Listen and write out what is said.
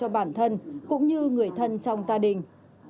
bản thân cũng như người thân trong gia đình